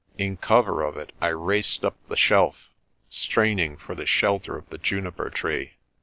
In cover of it I raced up the shelf, strain ing for the shelter of the juniper tree.